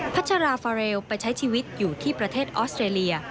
ัชราฟาเรลไปใช้ชีวิตอยู่ที่ประเทศออสเตรเลีย